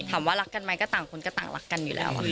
รักกันไหมก็ต่างคนก็ต่างรักกันอยู่แล้ว